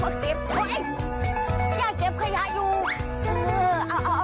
โอ๊ยยายเก็บขยะอยู่